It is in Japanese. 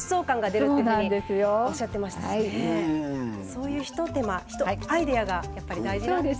そういう一手間ひとアイデアがやっぱり大事なんですね。